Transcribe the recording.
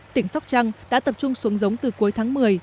tỉnh sóc trăng đã tập trung xuống giống từ cuối tháng một mươi